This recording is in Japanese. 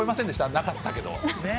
なかったけど。